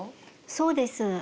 そうです。